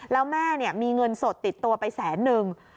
แล้วแม่มีเงินสดติดตัวไปแสนนึง